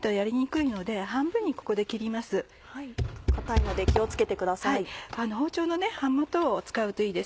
硬いので気を付けてください。